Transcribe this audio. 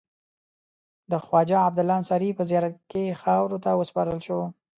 د خواجه عبدالله انصاري په زیارت کې خاورو ته وسپارل شو.